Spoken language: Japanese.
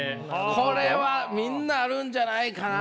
これはみんなあるんじゃないかな。